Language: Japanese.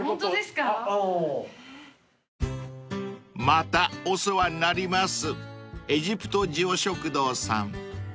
［またお世話になりますエジプト塩食堂さん］